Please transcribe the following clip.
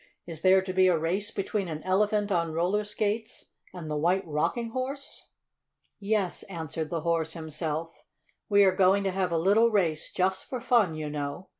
"Is there to be a race between an Elephant on roller skates and the White Rocking Horse?" "Yes," answered the Horse himself, "we are going to have a little race, just for fun, you know.